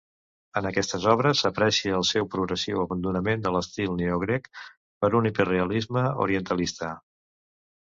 En aquestes obres s'aprecia el seu progressiu abandonament de l'estil neogrec per un hiperrealisme orientalista.